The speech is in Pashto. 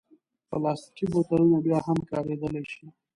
پلاستيکي بوتلونه بیا هم کارېدلی شي.